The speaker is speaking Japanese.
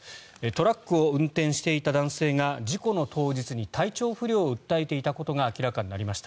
トラックを運転していた男性が事故の当日に体調不良を訴えていたことが明らかになりました。